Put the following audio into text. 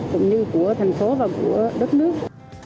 cũng như của thành phố và của đất nước